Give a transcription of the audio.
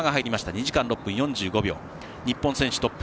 ２時間６分４５秒日本選手トップ。